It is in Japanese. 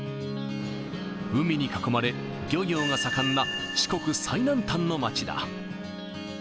海に囲まれ、漁業が盛んな四国最南端の街だ。